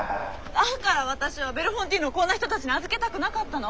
だから私はベルフォンティーヌをこんな人たちに預けたくなかったの。